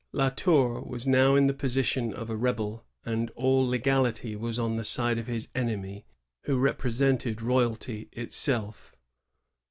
* La Tour was now in the position of a rebel, and all legality was on the side of his enemy, who represented royalty itself.